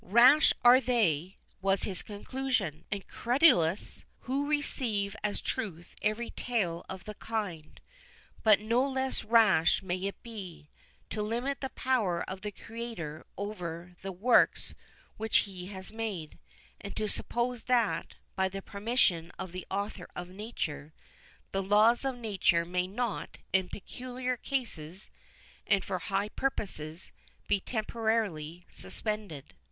Rash are they, was his conclusion, and credulous, who receive as truth every tale of the kind; but no less rash may it be, to limit the power of the Creator over the works which he has made, and to suppose that, by the permission of the Author of Nature, the laws of Nature may not, in peculiar cases, and for high purposes, be temporarily suspended.